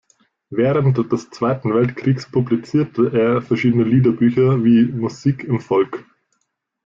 Während des Zweiten Weltkriegs publizierte er verschiedene Liederbücher, wie "Musik im Volk.